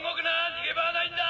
逃げ場はないんだ！